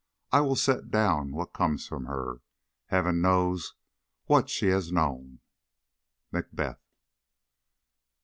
I will set down what comes from her.... Heaven knows what she has known. MACBETH.